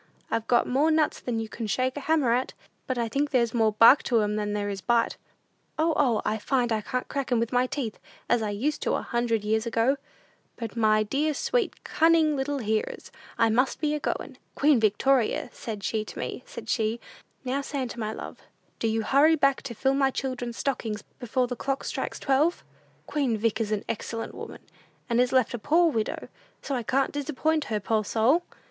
I've got more nuts than you can shake a hammer at; but I think there's more bark to 'em than there is bite. O, O, I find I can't crack 'em with my teeth, as I used to a hundred years ago! "But my dear, sweet, cunning little hearers, I must be a goin'. Queen Victoria, said she to me, said she, 'Now, Santa, my love, do you hurry back to fill my children's stockings before the clock strikes twelve.' Queen Vic is an excellent woman, and is left a poor widow; so I can't disappoint her, poor soul!